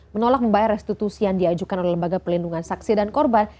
menolak membayar restitusi yang diajukan oleh lembaga pelindungan saksi dan korban